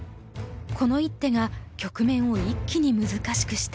この一手が局面を一気に難しくした。